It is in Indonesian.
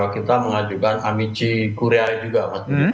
kita mengajukan amici curiae juga mas